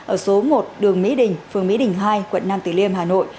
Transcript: ở số một đường mỹ đình phường mỹ đình hai quận nam tử liêm hà nội